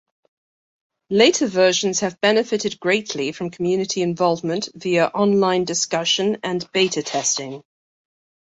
Later versions have benefited greatly from community involvement via online discussion and beta testing.